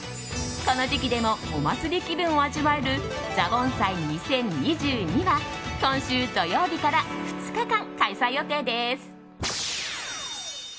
この時期でもお祭り気分を味わえる座盆祭２０２２は今週土曜日から２日間、開催予定です。